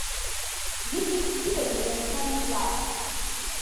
یەکێکی ترە لە جۆرەکانی بڵاگ